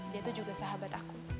dia tuh juga sahabat aku